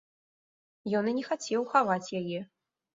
Ён і не хацеў хаваць яе.